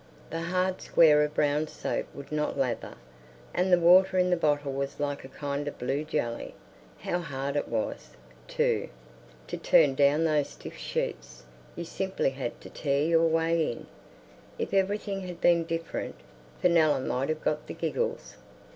The hard square of brown soap would not lather, and the water in the bottle was like a kind of blue jelly. How hard it was, too, to turn down those stiff sheets; you simply had to tear your way in. If everything had been different, Fenella might have got the giggles....